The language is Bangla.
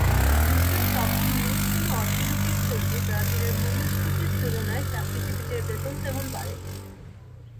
বিশ্বের সপ্তম বৃহত্তম অর্থনৈতিক শক্তি ব্রাজিলের মূল্যস্ফীতির তুলনায় চাকরিজীবীদের বেতন তেমন বাড়েনি।